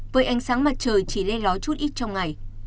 với ánh sáng mặt trời chỉ le ló chút ít trong ngày